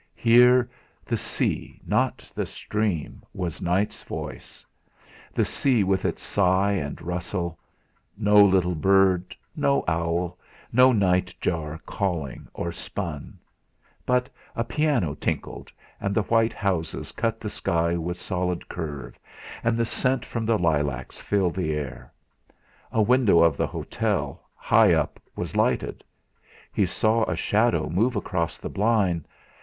Here the sea, not the stream, was Night's voice; the sea with its sigh and rustle; no little bird, no owl, no night Jar called or spun; but a piano tinkled, and the white houses cut the sky with solid curve, and the scent from the lilacs filled the air. A window of the hotel, high up, was lighted; he saw a shadow move across the blind.